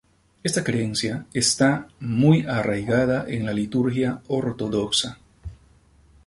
Esta creencia está muy arraigada en la liturgia ortodoxa.